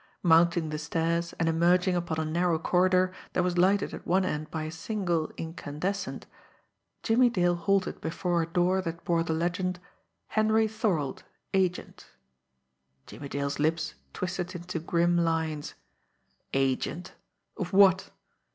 Mounting the stairs and emerging upon a narrow corridor, that was lighted at one end by a single incandescent, Jimmie Dale halted before a door that bore the legend: HENRY THOROLD AGENT. Jimmie Dale's lips twisted into grim lines. Agent of what?